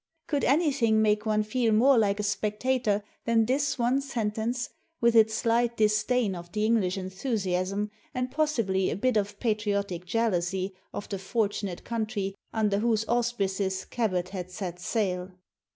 Could anything make one feel more like a spectator than this one sen tence, with its slight disdain of the English enthusiasm and possibly a bit of patriotic jealousy of the fortunate country under whose auspices Cabot had set sail